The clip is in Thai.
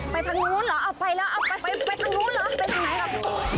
ไปทางโน้นเหรอไปแล้วไปตรงโน้นเหรอไปทางไหนครับ